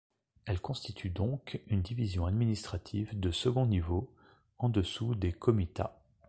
Elle constitue donc une division administrative de second niveau en dessous des comitats.